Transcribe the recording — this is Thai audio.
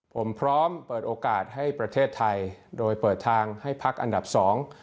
ผมพร้อมเปิดโอกาสให้ประเทศไทยโดยเปิดทางให้พักอันดับสอง